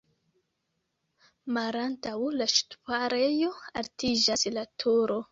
Malantaŭ la ŝtuparejo altiĝas la turo.